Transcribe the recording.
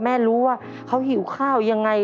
ไม่รู้ว่าเขาหิวข้าวยังไง